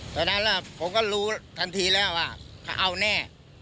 ตอนนั้นผมก็รู้ทันทีแล้วว่าเขาเอาแน่